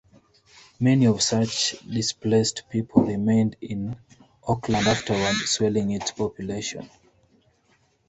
Many of such displaced people remained in Oakland afterward, swelling its population.